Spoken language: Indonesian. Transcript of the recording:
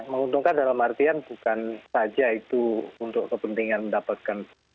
menguntungkan dalam artian bukan saja itu untuk kepentingan mendapatkan